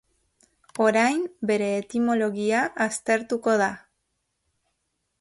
Orain, bere etimologia aztertuko da.